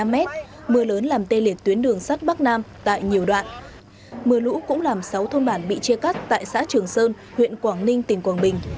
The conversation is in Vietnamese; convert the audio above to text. mưa lũ cũng làm sáu thôn bản bị chia cắt tại xã trường sơn huyện quảng ninh tỉnh quảng bình